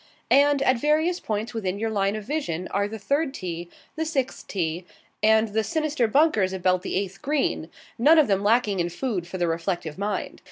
And at various points within your line of vision are the third tee, the sixth tee, and the sinister bunkers about the eighth green none of them lacking in food for the reflective mind.